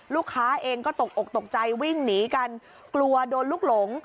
ลูกค้าเองก็ตกอกตกใจวิ่งหนีกันกลัวโดนลูกหลง